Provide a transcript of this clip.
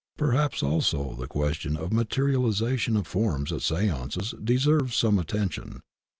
Perhaps ^so the question of ma terialization of forms at seances deserves some atten tion.